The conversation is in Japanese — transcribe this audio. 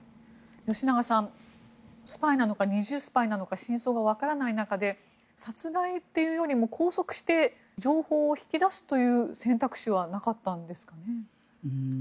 吉永さん、スパイなのか２重スパイなのか真相がわからない中で殺害というよりも拘束して情報を引き出すという選択肢はなかったんですかね？